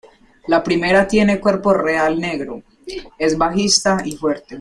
La primera tiene cuerpo real negro, es bajista y fuerte.